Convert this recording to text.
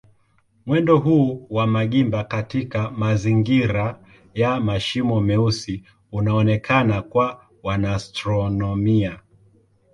Mwendo huu wa magimba katika mazingira ya mashimo meusi unaonekana kwa wanaastronomia.